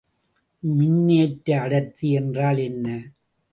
மின்னேற்ற அடர்த்தி என்றால் என்ன?